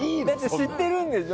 知ってるんでしょ！